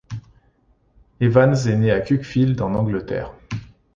Evans est né à Cuckfield, en Angleterre.